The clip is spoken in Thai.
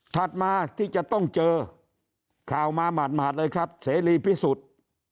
ถัดมาที่จะต้องเจอข่าวมาหมาดเลยครับเสรีพิสุทธิ์